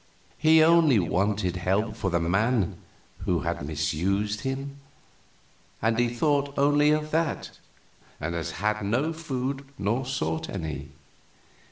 "He only wanted help for the man who had misused him, and he thought only of that, and has had no food nor sought any.